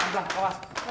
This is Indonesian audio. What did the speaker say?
sambil lah sambil lah